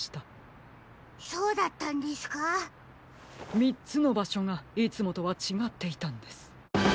３つのばしょがいつもとはちがっていたんです！